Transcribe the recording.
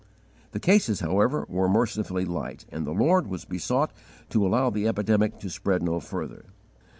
The cases, however, were mercifully light, and the Lord was besought to allow the epidemic to spread _no further.